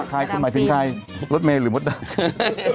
คลายคุณหมายถึงคลายรถเมล์หรือมดดำ